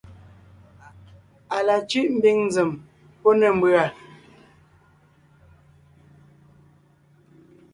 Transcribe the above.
À la cʉ́ʼ ḿbiŋ nzèm pɔ́ ne ḿbʉ̀a.